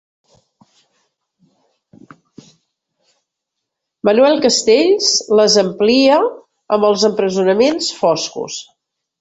Manuel Castells les amplia amb els empresonaments foscos.